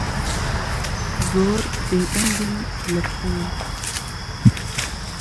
زۆر بێدەنگم لە پۆل.